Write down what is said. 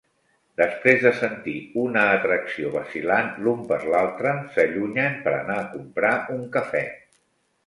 Després de sentir una atracció vacil·lant l'un per l'altre, s'allunyen per anar a comprar un cafè.